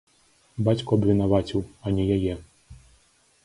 Бацьку абвінаваціў, а не яе.